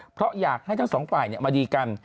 เพราะอยากให้ทั้งสองฝ่ายมาดีกัน